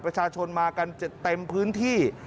ประชาชนมากันเต็มพื้นที่